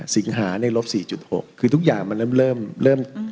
สิงหาเนี้ยลบสี่จุดหกคือทุกอย่างมันเริ่มเริ่มเริ่ม